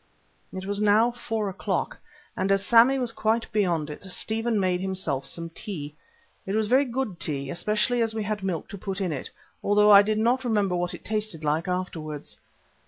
It was now four o'clock, and as Sammy was quite beyond it, Stephen made himself some tea. It was very good tea, especially as we had milk to put in it, although I did not remember what it tasted like till afterwards.